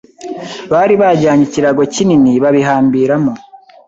bari bajyanye ikirago kinini babihambiramo.